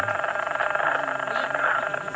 นี่ครับ